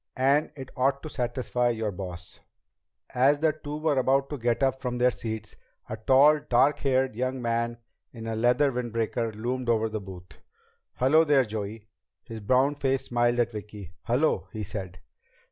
And it ought to satisfy your boss." As the two were about to get up from their seats, a tall, dark haired young man in a leather windbreaker loomed over the booth. "Hello there, Joey!" His browned face smiled at Vicki. "Hello," he said.